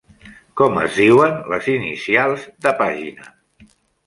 Com es diuen les inicials de pàgina?